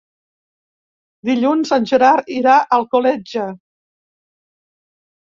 Dilluns en Gerard irà a Alcoletge.